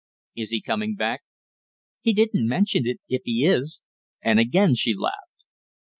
"Is he coming back?" "He didn't mention it, if he is." And again she laughed.